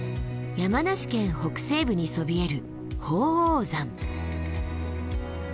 山梨県北西部にそびえる鳳凰山。